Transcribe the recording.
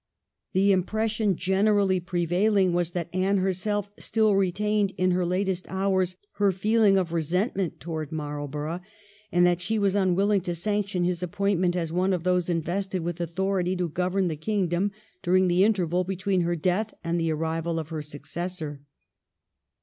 The impression generally prevailing was that Anne herself still retained in her latest hours her feeling of resentment towards Marlborough, and that she was unwilling to sanction his appointment as one of those invested with au thority to govern the kingdom during the interval between her death and the arrival of her successor.